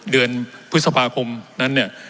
เดือนพฤษภาคมนั้นเนี่ย